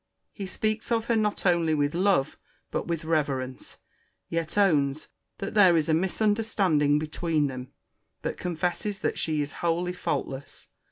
—He speaks of her not only with love but with reverence: yet owns, that there is a misunderstanding between them; but confesses that she is wholly faultless.